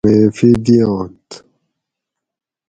معیفی دیاۤنت